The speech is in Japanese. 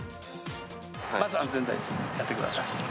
まず安全第一でやってください。